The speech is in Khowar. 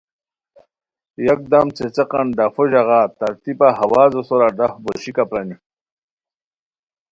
یکدم څیڅیقان ڈفو ژاغا تر تیبہ ہوازو سورا ڈف بوشیکہ پرانی